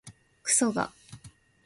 くそが